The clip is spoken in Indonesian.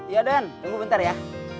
ya dan tunggu bentar ya